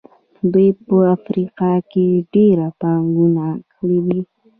دوی په افریقا کې ډېره پانګونه کړې ده.